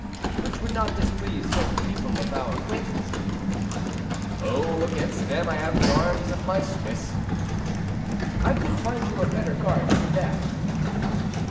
"Which would not displease certain people of our acquaintance." "Oh! against them I have the arms of my Swiss." "I could find you a better guard than that."